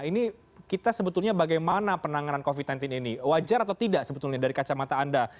ini kita sebetulnya bagaimana penanganan covid sembilan belas ini wajar atau tidak sebetulnya dari kacamata anda